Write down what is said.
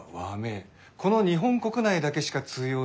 この日本国内だけしか通用しない名前だ。